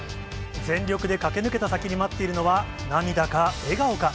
全力で駆け抜けた先に待っているのは、涙か、笑顔か。